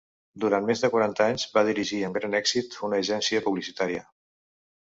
Durant més de quaranta anys va dirigir, amb gran èxit, una agència publicitària.